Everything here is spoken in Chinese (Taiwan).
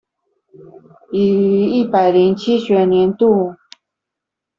已於一百零七學年度